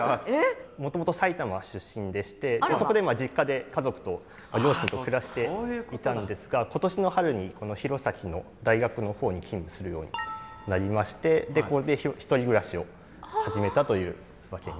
もともと埼玉出身でしてそこで実家で家族と両親と暮らしていたんですが今年の春に弘前の大学の方に勤務するようになりましてで１人暮らしを始めたというわけになります。